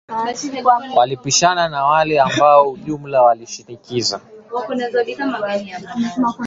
Walipishana na wale ambao kwa ujumla walimshinikiza